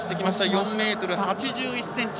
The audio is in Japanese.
４ｍ８１ｃｍ。